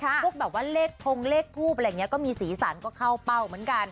พวกแบบว่าเลขทงเลขทูปอะไรอย่างนี้ก็มีสีสันก็เข้าเป้าเหมือนกัน